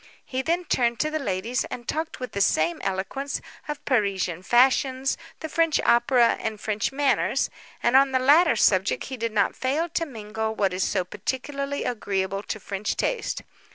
He then turned to the ladies, and talked with the same eloquence, of Parisian fashions, the French opera, and French manners; and on the latter subject he did not fail to mingle what is so particularly agreeable to French taste.